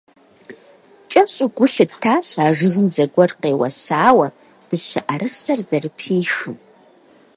КӀэщӀу гу лъыттащ а жыгым зыгуэр къеуэсауэ дыщэӀэрысэр зэрыпихым.